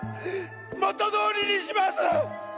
もとどおりにします！